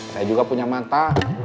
saya juga punya mata